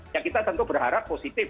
ya kita tentu berharap positif